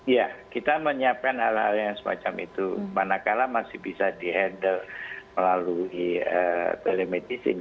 ya kita menyiapkan hal hal yang semacam itu manakala masih bisa di handle melalui telemedicine